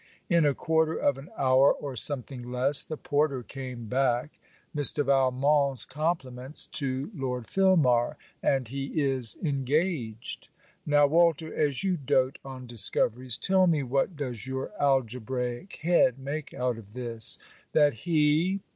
In a quarter of an hour or something less the porter came back 'Mr. Valmont's compliments to Lord Filmar, and he is engaged.' Now, Walter, as you dote on discoveries, tell me what does your algebraic head make out of this? 'That he